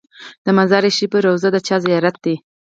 د مزار شریف روضه د چا زیارت دی؟